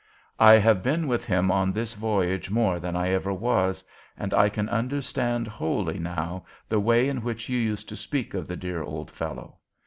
I have been with him on this voyage more than I ever was, and I can understand wholly now the way in which you used to speak of the dear old fellow.